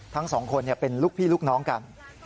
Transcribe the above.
ทั้งสองคนเป็นลูกพี่ลูกน้องกัน